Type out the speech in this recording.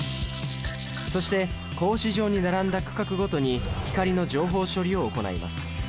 そして格子状に並んだ区画ごとに光の情報処理を行います。